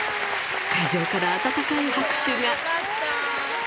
会場から温かい拍手が。